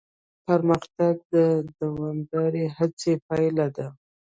پرمختګ د دوامداره هڅې پایله ده.